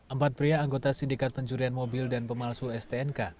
empat pria anggota sindikat pencurian mobil dan pemalsu stnk